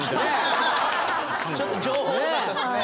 ちょっと情報多かったですね。